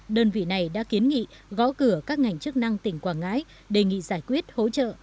đơn vị này đã kiến nghị gõ cửa các ngành chức năng tỉnh quảng ngãi đề nghị giải quyết hỗ trợ